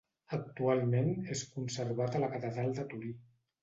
Actualment és conservat a la Catedral de Torí.